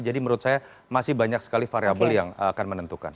jadi menurut saya masih banyak sekali variable yang akan menentukan